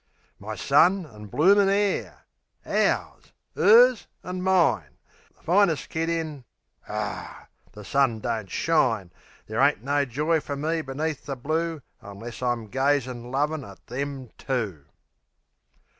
My son an' bloomin' 'eir...Ours!...'Ers an' mine! The finest kid in Aw, the sun don't shine Ther' ain't no joy fer me beneath the blue Unless I'm gazin' lovin' at them two.